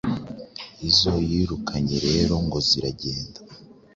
Izo yirukanye rero ngo ziragenda